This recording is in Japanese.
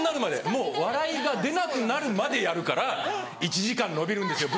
もう笑いが出なくなるまでやるから１時間延びるんですよ